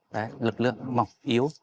lực lượng mỏng yếu